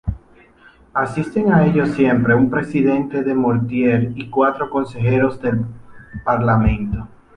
Asisten a ello siempre un presidente de mortier y cuatro consejeros del parlamento.